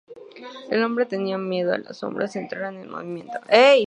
El hombre tenía miedo a que las sombras entraran en movimiento.